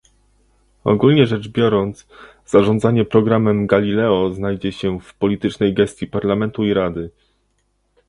Ogólnie rzecz biorąc, zarządzanie programem Galileo znajdzie się w politycznej gestii Parlamentu i Rady